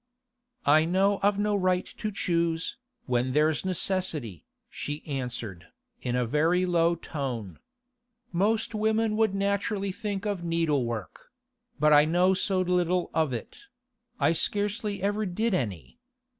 'I know I've no right to choose, when there's necessity,' she answered, in a very low tone. 'Most women would naturally think of needlework; but I know so little of it; I scarcely ever did any.